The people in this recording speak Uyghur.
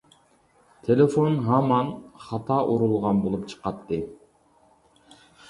تېلېفون ھامان خاتا ئۇرۇلغان بولۇپ چىقاتتى.